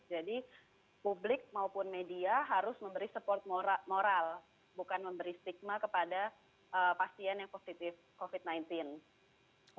jadi publik maupun media harus memberi support moral bukan memberi stigma kepada pasien yang positif covid sembilan belas